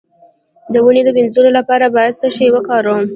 د وینې د مینځلو لپاره باید څه شی وکاروم؟